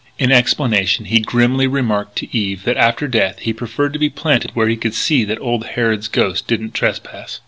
In explanation he grimly remarked to Eve that after death he preferred to be planted where he could see that Old Harrod's ghost didn't trespass.